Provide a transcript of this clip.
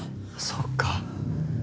そっか。